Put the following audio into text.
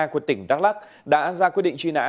của tỉnh đắk lắc đã ra quyết định truy nã